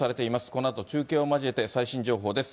このあと中継を交えて、最新情報です。